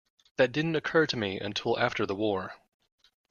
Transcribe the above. That didn't occur to me until after the war.